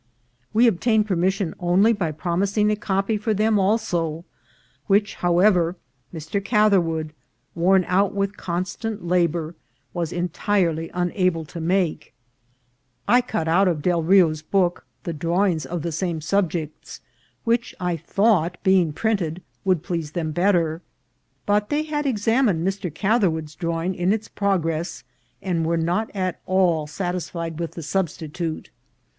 "We obtained permission only by promising a copy for them also, which, however, Mr. Catherwood, worn out with constant labour, was entire ly unable to make. I cut out of Del Rio's book the lielief on ;', ar. ' relief on side of Door of Alta TABLETS AND FIGURES. 353 drawings of the same subjects, which I thought, being printed, would please them better ; but they had exam ined Mr. Catherwood's drawing in its progress, and were not at all satisfied with the substitute.